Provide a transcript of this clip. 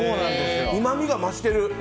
うまみが増してる。